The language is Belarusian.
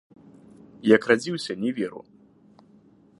Як радзіўся, не веру.